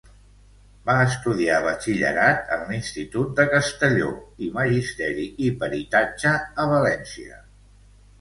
Va estudiar batxillerat en l'Institut de Castelló i Magisteri i Peritatge a València.